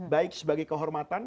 baik sebagai kehormatan